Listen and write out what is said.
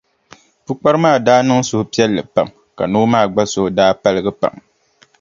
Pukpara maa daa niŋ suhupiɛlli pam ka noo maa gba suhu daa paligi pam.